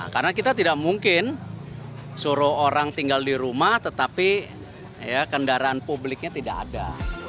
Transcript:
karena kita tidak mungkin suruh orang tinggal di rumah tetapi ya kendaraan publiknya tidak ada